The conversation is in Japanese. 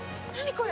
これ。